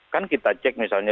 kan kita cek misalnya